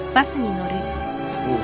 おう。